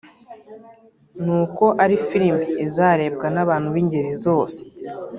ni uko ari filimi izarebwa n’abantu b’ingeri zose